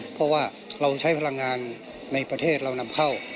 เพราะว่าเราใช้พลังงานในประเทศเรานำเข้า